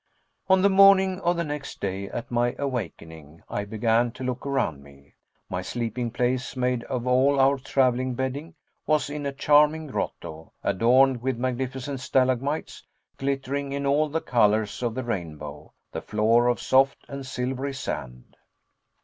On the morning of the next day, at my awakening, I began to look around me. My sleeping place, made of all our traveling bedding, was in a charming grotto, adorned with magnificent stalagmites, glittering in all the colors of the rainbow, the floor of soft and silvery sand.